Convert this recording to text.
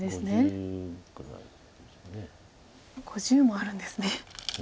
５０もあるんですね。